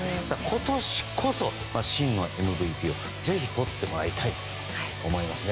今年こそ真のＭＶＰを、ぜひとってもらいたいと思います。